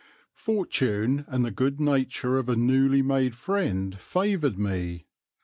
Fortune and the good nature of a newly made friend favoured me.